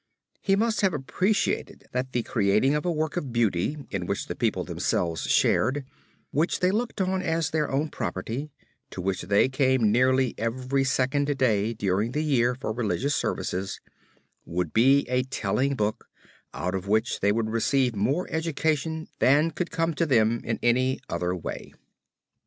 He must have appreciated that the creating of a work of beauty in which the people themselves shared, which they looked on as their own property, to which they came nearly every second day during the year for religious services, would be a telling book out of which they would receive more education than could come to them in any other way.